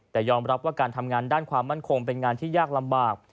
แต่ยอมรับว่าการทำงานด้านความมั่นคงเป็นงานที่ยากลำบาก